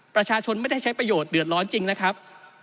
ประชาชนไม่ได้ใช้ประโยชน์เดือดร้อนจริงนะครับ